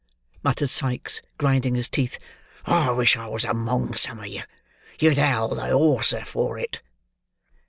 muttered Sikes, grinding his teeth. "I wish I was among some of you; you'd howl the hoarser for it."